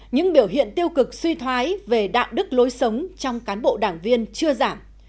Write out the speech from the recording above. những biểu hiện tiêu cực suy thoái về đạo đức lối sống trong cán bộ đảng viên chưa giảm